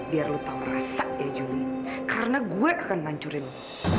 biar lu tahu rasa ya juni karena gue akan hancurin lo